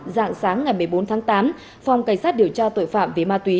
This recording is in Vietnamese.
dạng sáng ngày một mươi bốn tháng tám phòng cảnh sát điều tra tội phạm về ma túy